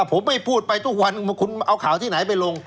ผมไม่พูดไปทุกวันคุณเอาข่าวที่ไหนไปลง